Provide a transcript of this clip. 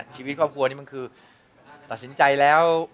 ชีวิตครอบครัวนี้มันคือตัดสินใจแล้ว